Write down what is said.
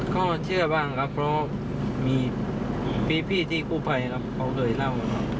ก็เชื่อบ้างครับเพราะมีพี่ที่กู้ภัยครับเขาเคยเล่า